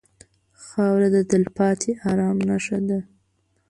خاوره د تلپاتې ارام نښه ده.